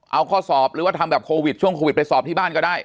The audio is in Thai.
เอาข้อสอบหรือว่าทำแบบโควิดช่วงโควิดไปสอบที่บ้านก็ได้